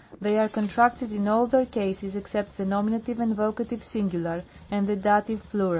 They are contracted in all their cases except the nom. and voc. sing, and the dat. plur.